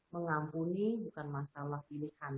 mengampuni bukan masalah pilihkan